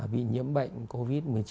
bị nhiễm bệnh covid một mươi chín